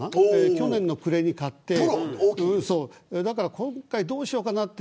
去年の暮れに買って今回どうしようかなって。